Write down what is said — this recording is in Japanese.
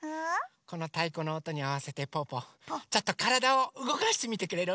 このたいこのおとにあわせてぽぅぽちょっとからだをうごかしてみてくれる？